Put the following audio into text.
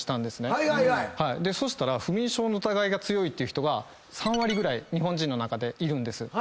そしたら不眠症の疑いが強いっていう人が３割ぐらい日本人の中でいるんです。